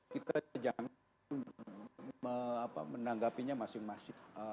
kita jangan menanggapinya masing masing